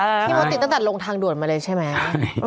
พี่มดติดตั้งแต่ลงทางด่วนมาเลยใช่ไหม